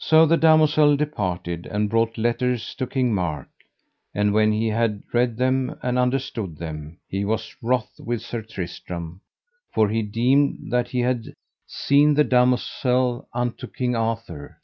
So the damosel departed, and brought letters to King Mark. And when he had read them, and understood them, he was wroth with Sir Tristram, for he deemed that he had sent the damosel unto King Arthur.